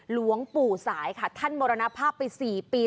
หลวงปู่สายค่ะท่านมรณภาพไป๔ปี